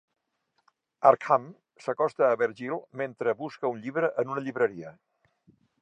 Arkham s'acosta a Vergil mentre busca un llibre en una llibreria.